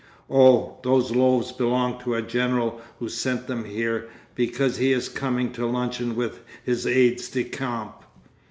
"Oh, those loaves belong to a general who sent them here, because he is coming to luncheon with his aides de camp."